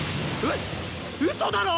う嘘だろ！？